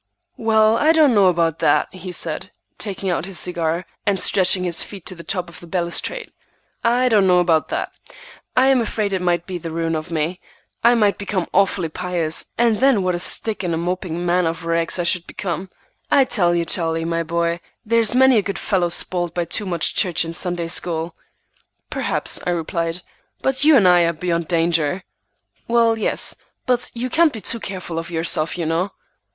"Well, I don't know about that," he said, taking out his cigar, and stretching his feet to the top of the balustrade; "I don't know about that. I am afraid it might be the ruin of me. I might become awfully pious, and then what a stick and a moping man of rags I should become. I tell you, Charlie, my boy, there's many a good fellow spoilt by too much church and Sunday school." "Perhaps," I replied, "but you and I are beyond danger." "Well, yes, but you can't be too careful of yourself, you know."